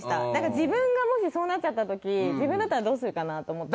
自分がもしそうなっちゃった時自分だったらどうするかなと思って。